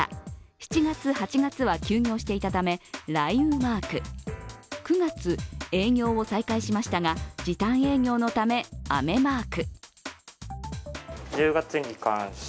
７月、８月は休業していたため、雷雨マーク。９月、営業を再開しましたが時短営業のため、雨マーク。